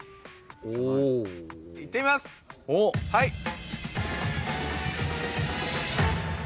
はい。